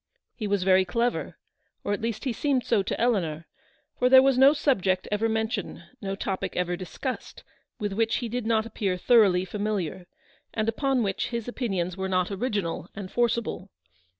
He was very clever, or at least he seemed so to Eleanor; for there was no subject ever mentioned, no topic ever discussed, with which he did not appear thoroughly familiar, and upon which his opinions were not original and forcible.